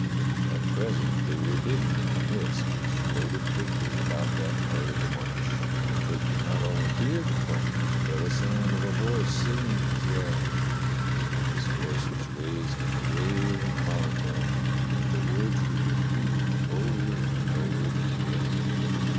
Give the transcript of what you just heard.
At pres ent they were hidden in the mist which floated thickly about that part of the Marsh, but they could not only hear the ponies but a sound of a voice singing as well. This voice was raised in a wailing monotone and the words were repeated over and over again.